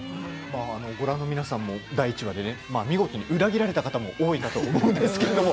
ご覧の皆さんも第１話で見事に裏切られた方も多いかと思うんですけれども。